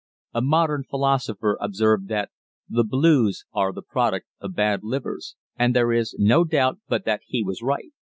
A modern philosopher observed that "the blues are the product of bad livers" and there is no doubt but that he was right.